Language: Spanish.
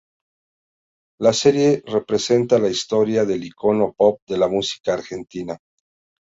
La serie representa la historia del icono pop de la música argentina.